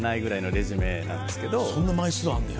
そんな枚数あんねや。